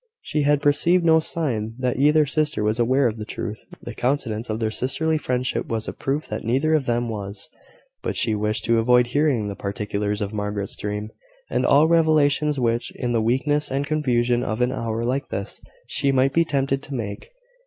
She had perceived no sign that either sister was aware of the truth; the continuance of their sisterly friendship was a proof that neither of them was: but she wished to avoid hearing the particulars of Margaret's dream, and all revelations which, in the weakness and confusion of an hour like this, she might be tempted to make.